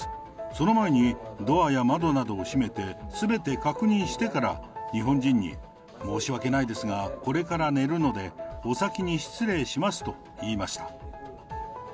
その前に、ドアや窓などを閉めて、すべて確認してから、日本人に、申し訳ないですが、これから寝るので、お先に失礼しますと言いました。